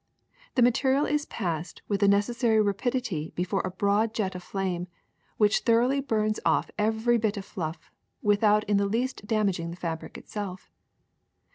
The material is passed with the necessary rapidity before a broad jet of flame, which thoroughly burns off every bit of fluff without in the least damaging the fabric itself.